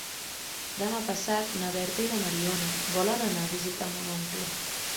Demà passat na Berta i na Mariona volen anar a visitar mon oncle.